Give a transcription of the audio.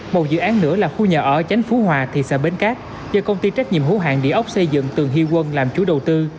một dự án nữa là khu nhà ở chánh phú hòa thị xã bến cát do công ty trách nhiệm hữu hàng địa ốc xây dựng tường hy quân làm chủ đầu tư